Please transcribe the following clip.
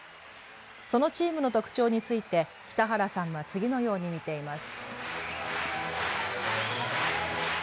そのチームの特徴について北原さんは次のように見ています。